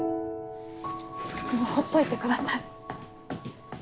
もうほっといてください。